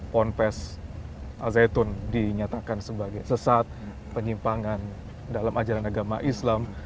pond pes al zaitun dinyatakan sebagai sesat penyimpangan dalam ajaran agama islam